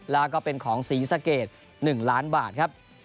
แล้วก็เป็นของศรีสะเกด๑ล้านบาทครับ